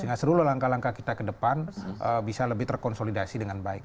sehingga seluruh langkah langkah kita ke depan bisa lebih terkonsolidasi dengan baik